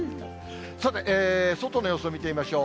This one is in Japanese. さて、外の様子を見てみましょう。